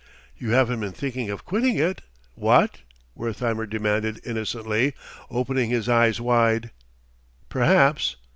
"You haven't been thinking of quitting it what?" Wertheimer demanded innocently, opening his eyes wide. "Perhaps..."